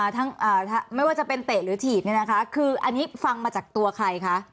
ทั้งไม่ว่าจะเป็นเตะหรือถีบเนี่ยนะคะคืออันนี้ฟังมาจากตัวใครคะ